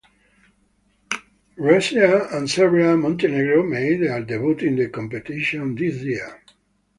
Russia and Serbia and Montenegro made their debut in the competition this year.